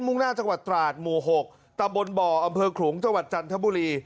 ่งหน้าจังหวัดตราดหมู่๖ตำบลบ่ออำเภอขลุงจังหวัดจันทบุรี